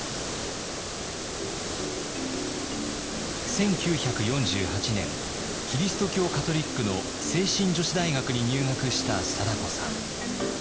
１９４８年キリスト教カトリックの聖心女子大学に入学した貞子さん。